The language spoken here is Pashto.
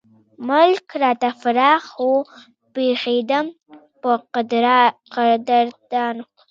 ملک راته فراخ وو پېښېدم پۀ قدردانو